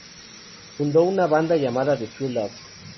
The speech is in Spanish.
Fundó una banda llamada "The True Loves".